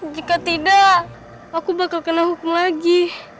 jika tidak aku bakal kena hukum lagi